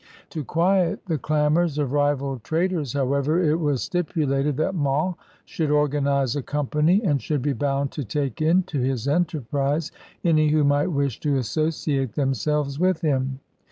To quiet the clamors of rival traders, however, it was stipulated that Monts should organize a company and should be bound to take into his enterprise any who might wish to associate themselves with him.